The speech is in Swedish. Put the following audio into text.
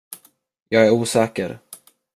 Jag är osäker.